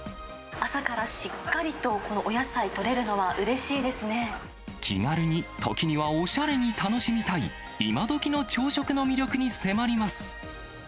朝からしっかりと、このお野気軽に、時にはおしゃれに楽しみたい、今どきの朝食の魅力に迫ります。